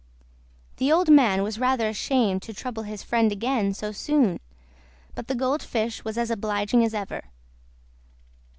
The old man was rather ashamed to trouble his friend again so soon; but the Gold Fish was as obliging as ever.